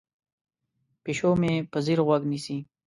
پیشو مې په ځیر غوږ نیسي.